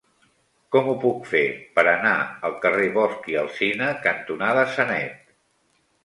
Com ho puc fer per anar al carrer Bosch i Alsina cantonada Sanet?